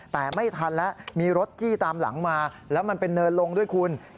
แต่ไม่ทันแล้วมีรถจี้ตามหลังมาแล้วมันเป็นเนินลงด้วยคุณ